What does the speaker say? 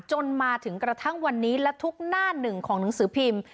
จนมาถึงกระทั่งวันนี้และทุกหน้าหนึ่งของหนังสือพิมพ์